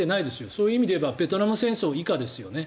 そういう意味で言えばベトナム戦争以下ですよね